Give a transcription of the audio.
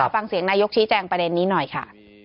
ฟังเสียงนายกชี้แจงประเด็นนี้หน่อยค่ะ